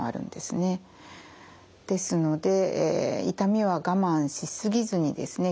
ですので痛みは我慢しすぎずにですね